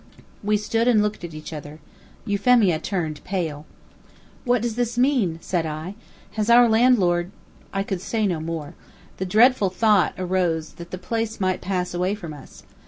We stood and looked at each other. Euphemia turned pale. "What does this mean?" said I. "Has our landlord " I could say no more. The dreadful thought arose that the place might pass away from us.